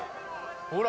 ほら」